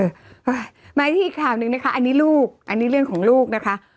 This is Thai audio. มาที่อีกข่าวหนึ่งนะคะอันนี้ลูกอันนี้เรื่องของลูกนะคะ